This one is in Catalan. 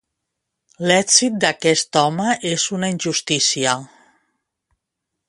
L'èxit d'aquest home és una injustícia!